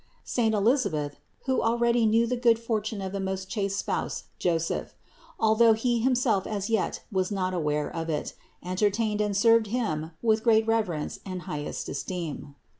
Saint Elisabeth, who already knew the good fortune of the 184 CITY OF GOD most chaste spouse Joseph, although he himself as yet was not aware of it, entertained and served him with great reverence and highest esteem.